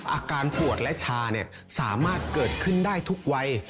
อาการปวดและชาสามารถเกิดขึ้นได้ทุกวัย